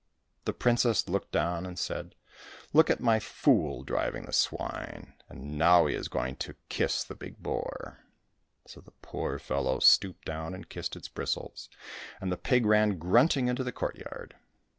The princess looked on and said, " Look at my fool driving the swine, and now he is going to kiss the big boar !" So the poor fellow stooped down and kissed its bristles, and the pig ran grunting into the courtyard.